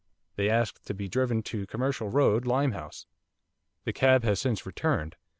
They asked to be driven to Commercial Road, Limehouse. The cab has since returned.